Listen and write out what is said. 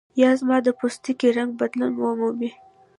یا زما د پوستکي رنګ بدلون ومومي.